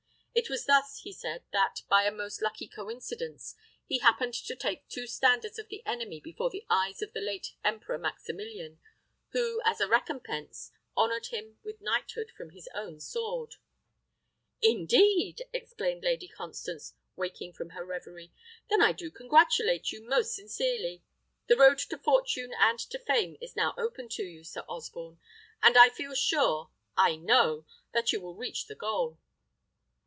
It was thus, he said, that, by a most lucky coincidence, he happened to take two standards of the enemy before the eyes of the late Emperor Maximilian, who, as a recompense, honoured him with knighthood from his own sword. "Indeed!" exclaimed Lady Constance, waking from her reverie; "then I do congratulate you most sincerely. The road to fortune and to fame is now open to you, Sir Osborne, and I feel sure, I know, that you will reach the goal."